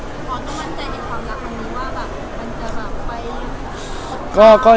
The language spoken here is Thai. หรือว่าแบบมันจะมาออกไป